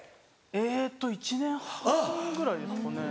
えっと１年半ぐらいですかね。